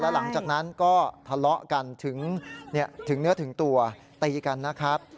หลังจากนั้นก็ทะเลาะกันถึงเนื้อถึงตัวตีกันนะครับ